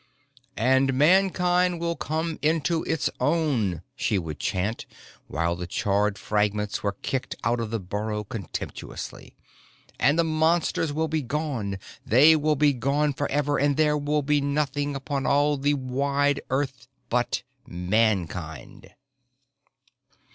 "And Mankind will come into its own," she would chant, while the charred fragments were kicked out of the burrow contemptuously. "_And the Monsters will be gone. They will be gone forever, and there will be nothing upon all the wide Earth but Mankind.